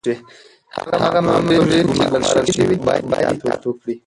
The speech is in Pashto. هغه مامورین چي ګمارل شوي دي باید اطاعت وکړي.